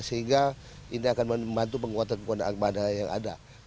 sehingga ini akan membantu penguatan penguatan armada yang ada